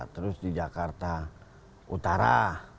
terus di jakarta utara